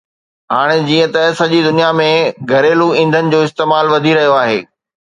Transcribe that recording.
هاڻي جيئن ته سڄي دنيا ۾ گهريلو ايندھن جو استعمال وڌي رهيو آهي